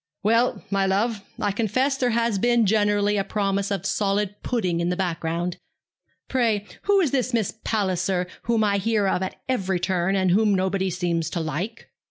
'Well, my love, I confess there has been generally a promise of solid pudding in the background. Pray, who is this Miss Palliser, whom I hear of at every turn, and whom nobody seems to like?'